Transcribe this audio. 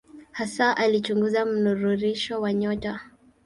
Hasa alichunguza mnururisho wa nyota.